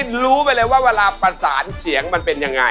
คุณรู้ไปเลยว่าเวลาประสานเสียงมันเป็นยังไง